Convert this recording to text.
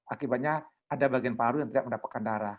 akibatnya ada bagian paru yang tidak mendapatkan darah